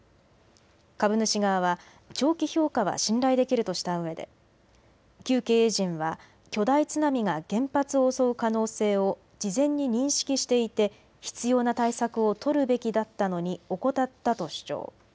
株主側は長期評価は信頼できるとしたうえで旧経営陣は巨大津波が原発を襲う可能性を事前に認識していて必要な対策を取るべきだったのに怠ったと主張。